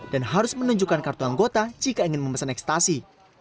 dan harus menunjukkan kartu anggota jika ingin memesan ekstasi